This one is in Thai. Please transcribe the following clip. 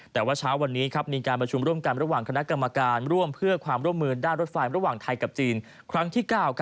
แต่ว่าเช้าวันนี้มีการประชุมร่วมกันระหว่างคณะกรรมการร่วมเพื่อความร่วมมือด้านรถไฟระหว่างไทยกับจีนครั้งที่๙